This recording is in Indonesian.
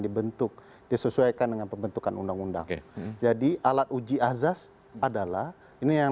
dibentuk disesuaikan dengan pembentukan undang undang jadi alat uji azas adalah ini yang